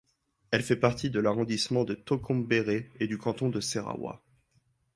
Elle fait partie de l'arrondissement de Tokombéré et du canton de Serawa.